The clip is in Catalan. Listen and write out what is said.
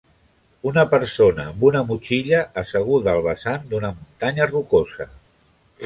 Una persona amb una motxilla asseguda al vessant d'una muntanya rocosa.